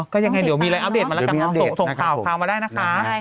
ก็ยังไงเดี๋ยวมีอะไรอัปเดตมาแล้วกันส่งข่าวมาได้นะคะ